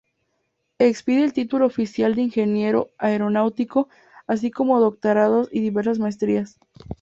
Expide el título oficial de Ingeniero Aeronáutico, así como doctorados y diversas maestrías.